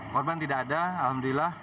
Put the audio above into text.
korban tidak ada alhamdulillah